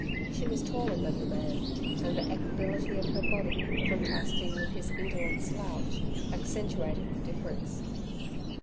She was taller than the man, and the equability of her body, contrasting with his indolent slouch, accentuated the difference.